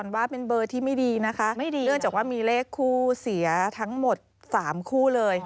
เห็นปล่อยเลย